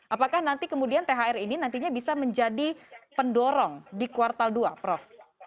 apakah nanti kemudian thr ini nantinya bisa menjadi pendorong di kuartal dua prof